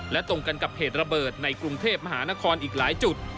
และตรงกันกับเหตุระเบิดในกรุงเทพมหานครอีกหลายจุด